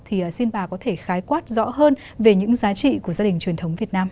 thì xin bà có thể khái quát rõ hơn về những giá trị của gia đình truyền thống việt nam